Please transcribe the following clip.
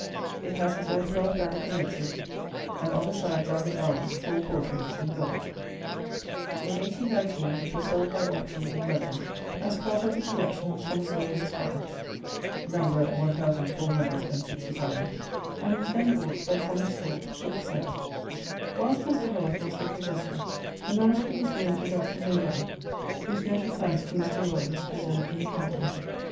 It has his autograph at the commencement, and on the sides are his arms (four quarterings) in gold. In 1819, it was sold by auction in London, as part of the collection of Thomas Lloyd, Esq. (No. 1465), and was then bought by Thomas Thorpe, bookseller. Whilst Mr. Lloyd was the possessor, the MS. was lent to Dr. Lingard, whose note of thanks to Mr. Lloyd is preserved in the volume.